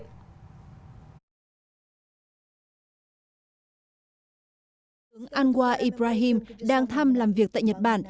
thủ tướng malaysia anwar ibrahim đang thăm làm việc tại nhật bản